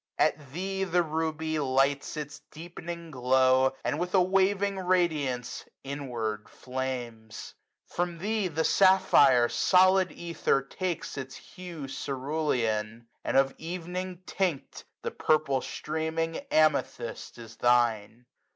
At thee the Ruby lights its deepening glow, And with a waving radiance inward flames. From thee the Sapphire, solid ether, takes Its hue cerulean; and of evening tinct, 150 The purple streaming Amethyst is thine.